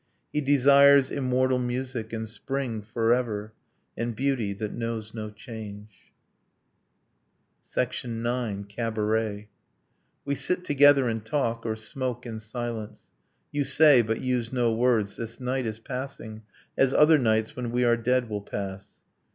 He desires immortal music and spring forever, And beauty that knows no change. IX. CABARET We sit together and talk, or smoke in silence. You say (but use no words) 'this night is passing As other nights when we are dead will pass